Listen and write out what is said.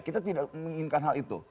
kita tidak menginginkan hal itu